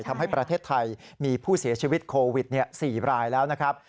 ทำให้ประเทศไทยมีผู้เสียชีวิตโควิด๔รายแล้วนะครับ